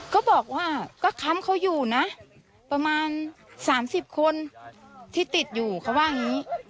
ก็บอกว่าก็ค้ำเขาอยู่นะประมาณ๓๐คนที่ติดอยู่เขาว่าอย่างนี้